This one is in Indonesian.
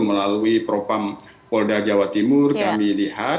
melalui propam polda jawa timur kami lihat